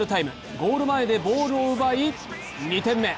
ゴール前でボールを奪い、２点目。